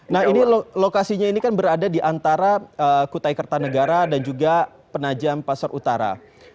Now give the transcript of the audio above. nah ini lokasinya ini kan berada di antara kutai kertanegara dan juga penajam pasar utara